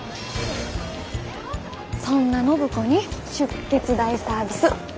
そんな暢子に出血大サービス。